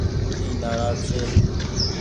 اي نآراز ڇي۔